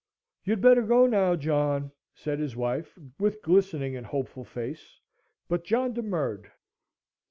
"You'd better go now, John," said his wife, with glistening and hopeful face; but John demurred.